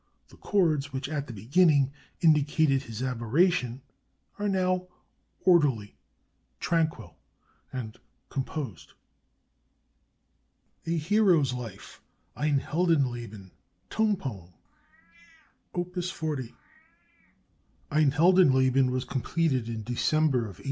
The chords which, at the beginning, indicated his aberration, are now orderly, tranquil, and composed. "A HERO'S LIFE" ["EIN HELDENLEBEN"], TONE POEM: Op. 40 Ein Heldenleben was completed in December, 1898.